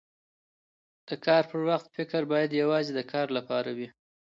د کار پر وخت فکر باید یواځې د کار لپاره وي.